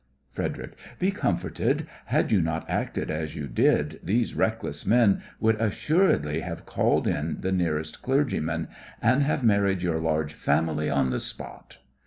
FREDERIC: Be comforted. Had you not acted as you did, these reckless men would assuredly have called in the nearest clergyman, and have married your large family on the spot.